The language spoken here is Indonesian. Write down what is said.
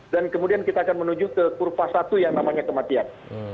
dan kemudian kita akan menuju ke kurva satu yang namanya kematian